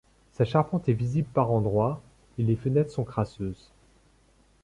Sa charpente est visible par endroits et les fenêtres sont crasseuses.